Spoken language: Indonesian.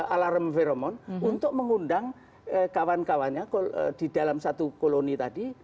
alarm veron untuk mengundang kawan kawannya di dalam satu koloni tadi